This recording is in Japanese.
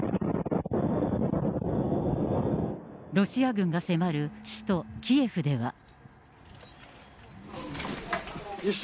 ロシア軍が迫る首都キエフでは。